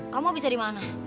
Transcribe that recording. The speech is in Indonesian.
kamu bisa dimana